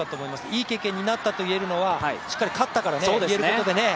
いい経験になったといえるのはしっかり勝ったから言えることでね。